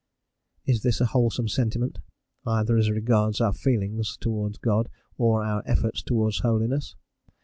Is this a wholesome sentiment, either as regards our feelings towards God or our efforts towards holiness?